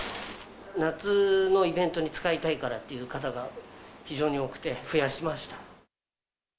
夏のイベントに使いたいからっていう方が非常に多くて、増やしました。